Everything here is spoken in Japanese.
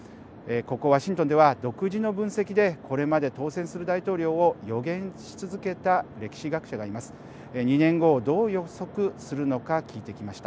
ここワシントンでは独自の分析でこれまで当選する大統領を予言し続けた歴史学者がいます。